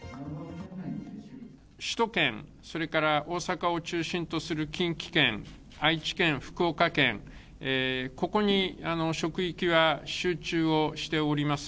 首都圏、それから大阪を中心とする近畿圏、愛知県、福岡県、ここに職域は集中をしております。